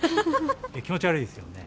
気持ち悪いですよね。